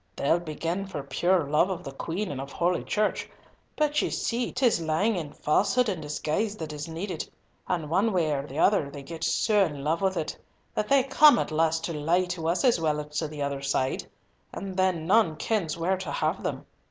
They'll begin for pure love of the Queen and of Holy Church, but ye see, 'tis lying and falsehood and disguise that is needed, and one way or other they get so in love with it, that they come at last to lie to us as well as to the other side, and then none kens where to have them!